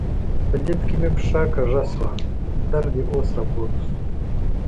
په لفټ کې مې پښه کږه شوې وه، درد یې اوس را پورته شو.